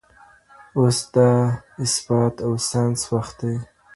اوس د اثبات او ساينس وخت دی.